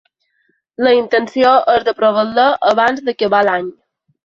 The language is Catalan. La intenció és d’aprovar-la abans d’acabar l’any.